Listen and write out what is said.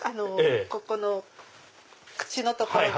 ここの口の所が。